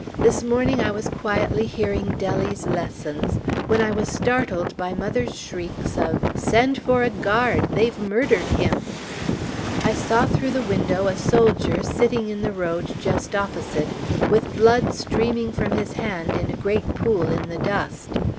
This morning I was quietly hearing Dellie's lessons, when I was startled by mother's shrieks of "Send for a guard they've murdered him!" I saw through the window a soldier sitting in the road just opposite, with blood streaming from his hand in a great pool in the dust.